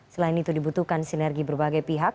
selain itu dibutuhkan sinergi berbagai pihak